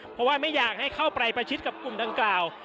เพราะว่าไม่อยากให้เข้าไปประชิดกับกลุ่มดังกล่าว